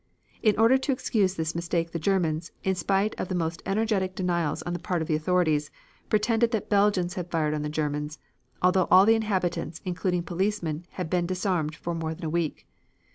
In order to excuse this mistake the Germans, in spite of the most energetic denials on the part of the authorities, pretended that Belgians had fired on the Germans, although all the inhabitants, including policemen, had been disarmed for more than a week.